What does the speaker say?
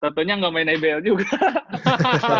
tentunya gak main ibl juga